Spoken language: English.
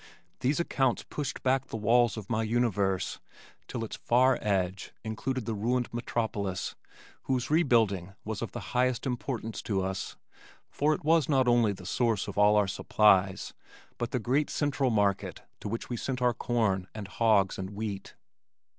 These accounts pushed back the walls of my universe till its far edge included the ruined metropolis whose rebuilding was of the highest importance to us, for it was not only the source of all our supplies, but the great central market to which we sent our corn and hogs and wheat.